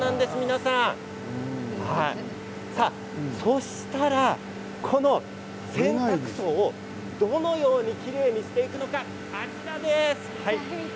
そしたら洗濯槽をどのようにきれいにしていくのかあちらです。